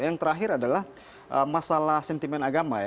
yang terakhir adalah masalah sentimen agama ya